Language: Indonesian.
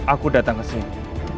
aku datang kesini